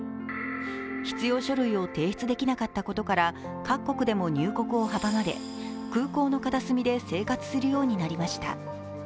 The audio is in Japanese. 必要書類を提出できなかったことから各国でも入国を阻まれ空港の片隅で生活するようになりました。